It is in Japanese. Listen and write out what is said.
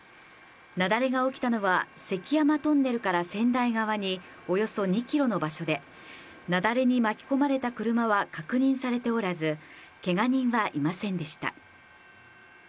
雪崩が起きたのは、関山トンネルから仙台側におよそ２キロの場所で、雪崩に巻き込まれた車は確認されておらず、けが人はいませんでした。